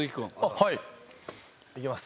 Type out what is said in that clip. はい。